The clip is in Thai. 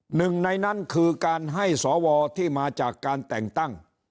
หนึ่งในนั้นคือการให้สวที่มาจากการแต่งตั้ง